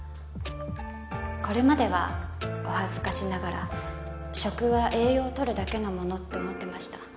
これまではお恥ずかしながら食は栄養をとるだけのものって思ってました。